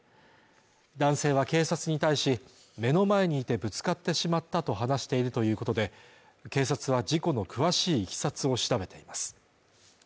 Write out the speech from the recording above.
男性は警察に対し目の前にいてぶつかってしまったと話しているということで警察は事故の詳しいいきさつを調べています